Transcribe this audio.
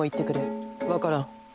わからん。